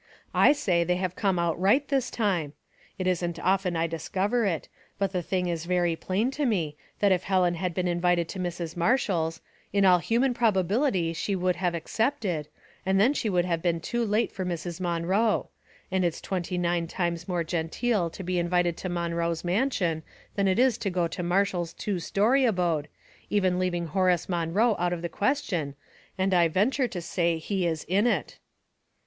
I say they have come out right this time. It isn't often I discover it ; but the thing is very plain to me, that if Helen had been in vited to Mrs. Marshall's, in all human probability she would have acccDted, and then she would Theory, 47 have been too late for Mrs. Monroe; and it's twenty nine times more genteel to be invited to Monroe's mansion than it is to go to Marshall's two story abode, even leaving Horace Moin oe out of the question, and I venture to say he ia in it."